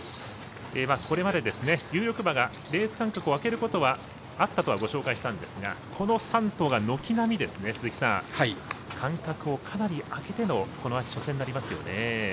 これまで有力馬がレース間隔を空けることはあったとご紹介したんですがこの３頭が軒並み間隔をかなり空けてのこの初戦になりますよね。